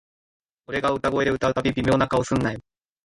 俺が裏声で歌うたび、微妙な顔すんなよ